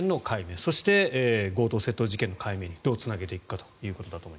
そして、強盗・窃盗事件の解明にどうつなげていくかと。